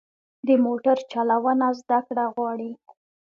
د موټر چلوونه زده کړه غواړي.